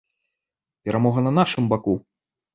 Перамога на нашым баку!